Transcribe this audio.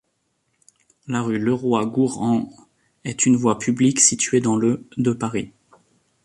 La rue Leroi-Gourhan est une voie publique située dans le de Paris.